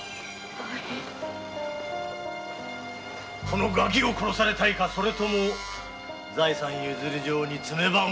このガキを殺されたいかそれとも財産譲り状にツメ判を押すか。